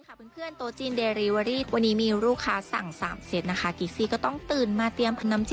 แต่เมื่อไหร่ก็ไม่รู้ถูกมั้ย